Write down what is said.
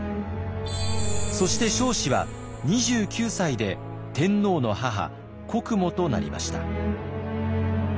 そして彰子は２９歳で天皇の母国母となりました。